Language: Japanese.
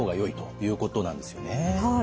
はい。